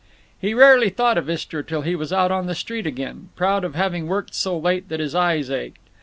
He rarely thought of Istra till he was out on the street again, proud of having worked so late that his eyes ached.